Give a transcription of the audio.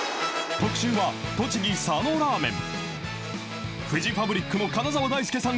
特集は栃木、佐野らーめん。